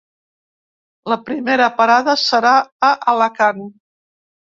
La primera parada serà a Alacant.